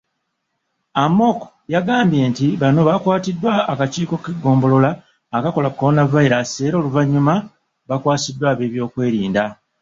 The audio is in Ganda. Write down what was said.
Amoko, yagambye nti bano baakwatiddwa akakiiko k'eggombolola akakola ku Kolonavayiraasi era oluvannyuma baakwasiddwa ab'ebyokwerinda.